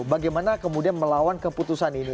bagaimana kemudian melawan keputusan ini